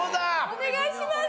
お願いします。